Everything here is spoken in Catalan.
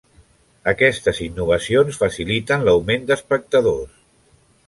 Aquestes innovacions faciliten l’augment d’espectadors.